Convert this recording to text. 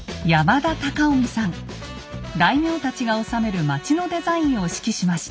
大名たちが治める町のデザインを指揮しました。